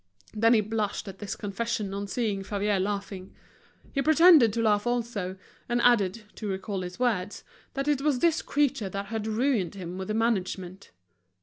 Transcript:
Then he blushed at this confession on seeing Favier laughing. He pretended to laugh also, and added, to recall his words, that it was this creature that had ruined him with the management.